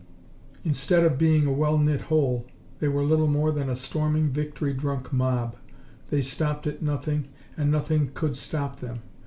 Instead of being a well knit whole, they were little more than a storming, victory drunk mob. They stopped at nothing and nothing could stop them.